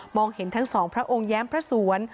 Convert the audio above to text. เห็นทั้งสองพระองค์แย้มพระสวน